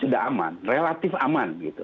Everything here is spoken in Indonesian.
tidak aman relatif aman gitu